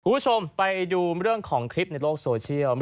คุณผู้ชมไปดูเรื่องของคลิปในโลกโซเชียล